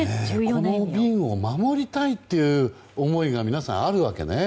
この便を守りたいという思いが皆さんあるわけね。